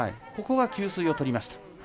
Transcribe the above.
ここは給水を取りました。